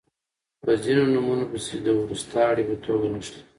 په ځینو نومونو پسې د وروستاړي په توګه نښلی